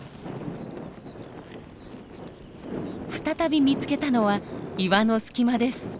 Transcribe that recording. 再び見つけたのは岩の隙間です。